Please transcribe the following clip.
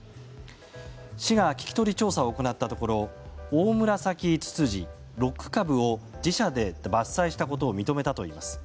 市が聞き取り調査を行ったところオオムラサキツツジ６株を自社で伐採したことを認めたといいます。